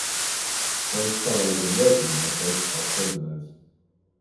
Those fellows in red you notice are prisoners.